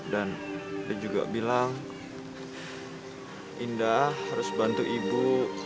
dia juga bilang indah harus bantu ibu